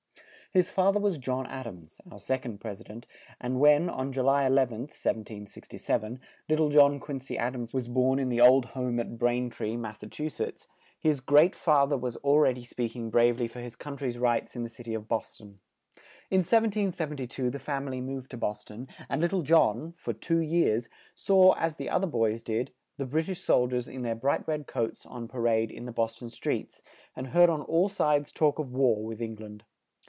His fa ther was John Ad ams, our sec ond Pres i dent, and when, on Ju ly 11th, 1767, lit tle John Quin cy Ad ams was born in the old home at Brain tree, Mass., his great fa ther was al read y speak ing brave ly for his coun try's rights in the cit y of Bos ton. In 1772 the fam i ly moved to Bos ton, and lit tle John, for two years, saw, as the oth er boys did, the Brit ish sol diers in their bright red coats on pa rade in the Bos ton streets, and heard on all sides talk of war with Eng land.